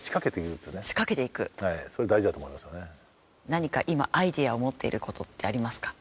何か今、アイデアを持っていることってありますか？